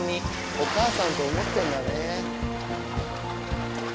お母さんと思ってんだね。